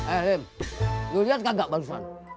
eh lim lo liat kagak barusan